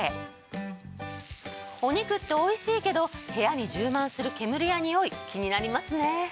お肉っておいしいけど部屋に充満する煙やにおい気になりますね。